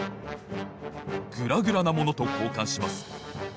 グラグラなものとこうかんします。